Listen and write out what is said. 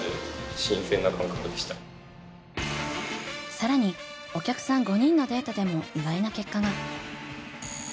更にお客さん５人のデータでも意外な結果が。